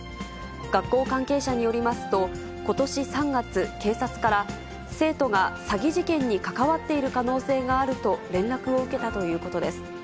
学校関係者によりますと、ことし３月、警察から生徒が詐欺事件に関わっている可能性があると連絡を受けたということです。